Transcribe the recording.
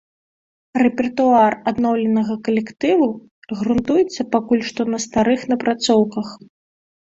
Рэпертуар адноўленага калектыву грунтуецца пакуль што на старых напрацоўках.